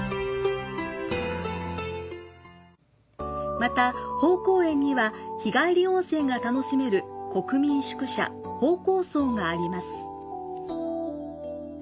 また、豊公園には日帰り温泉が楽しめる国民宿舎、豊公荘があります。